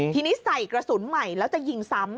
ทีนี้ใส่กระสุนใหม่แล้วจะยิงซ้ำ